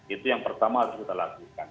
itu yang pertama harus kita lakukan